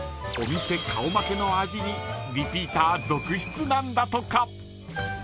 お店顔負けの味にリピーター続出なんだとか。